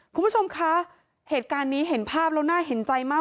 คุณผู้ชมคะเหตุการณ์นี้เห็นภาพแล้วน่าเห็นใจมาก